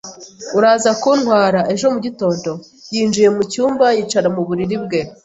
Uraza kuntwara ejo mugitondo? Yinjiye mu cyumba, yicara mu buriri bwe.